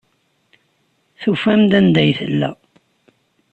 Tufam-d anda ay tella.